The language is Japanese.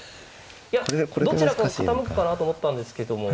いやどちらか傾くかなと思ったんですけども。